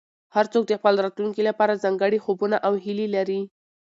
هر څوک د خپل راتلونکي لپاره ځانګړي خوبونه او هیلې لري.